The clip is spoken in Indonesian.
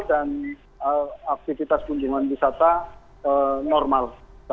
dan aktivitas kunjungan wisata normal